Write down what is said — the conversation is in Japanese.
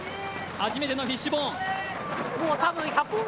初めてのフィッシュボーン。